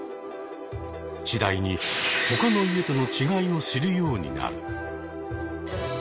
次第に他の家との違いを知るようになる。